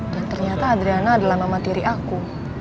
dan ternyata adriana adalah mama tiri aku